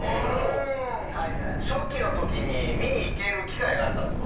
初期の時に見に行ける機会があったんですよ。